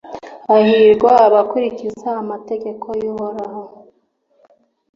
hahirwa abakurikiza amategeko y'uhoraho